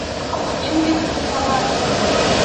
Ingi chuny marach